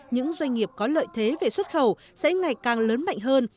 những doanh nghiệp có lợi thế về xuất khẩu sẽ ngày càng lớn mạnh hơn